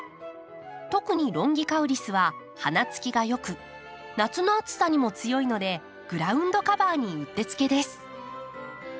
特に「ロンギカウリス」は花つきが良く夏の暑さにも強いのでグラウンドカバーにうってつけです。